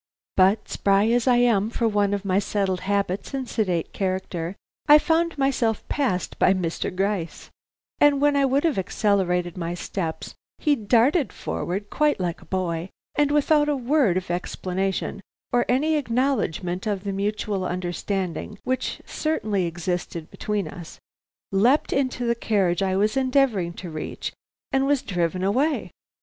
But, spry as I am for one of my settled habits and sedate character, I found myself passed by Mr. Gryce; and when I would have accelerated my steps, he darted forward quite like a boy and, without a word of explanation or any acknowledgment of the mutual understanding which certainly existed between us, leaped into the carriage I was endeavoring to reach, and was driven away.